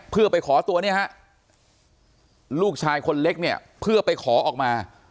เพื่อไปขอตัวเนี่ยฮะลูกชายคนเล็กเนี่ยเพื่อไปขอออกมา